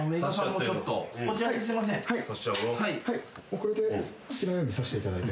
これで好きなようにさしていただいて。